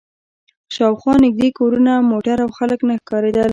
شا و خوا نږدې کورونه، موټر او خلک نه ښکارېدل.